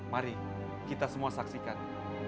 mari kita semua saksikan